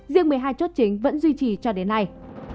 riêng một mươi hai chốt chính vẫn duy trì cho đến nay